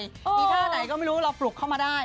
มีท่าไหนก็ไม่รู้เราปลุกเข้ามาได้